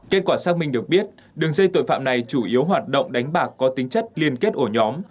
kết quả xác minh được biết đường dây tội phạm này chủ yếu hoạt động đánh bạc có tính chất liên kết ổ nhóm